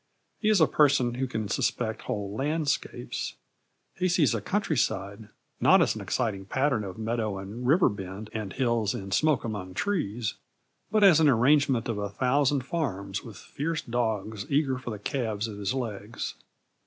He is a person who can suspect whole landscapes; he sees a countryside, not as an exciting pattern of meadow and river bend and hills and smoke among trees, but as an arrangement of a thousand farms with fierce dogs eager for the calves of his legs.